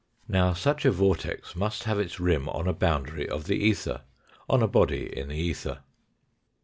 Now such a vortex must have its rim on a boundary of the ether on a body in the ether.